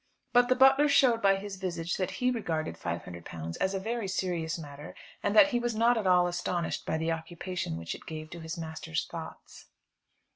But the butler showed by his visage that he regarded £500 as a very serious matter, and that he was not at all astonished by the occupation which it gave to his master's thoughts.